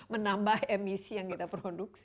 menambah emisi yang kita produksi